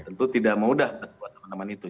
tentu tidak mudah buat teman teman itu